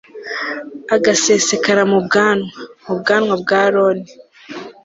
agasesekara mu bwanwa, mu bwanwa bwa aroni